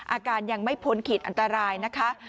อาการยังไม่พ้นขีดอันตรายนะคะ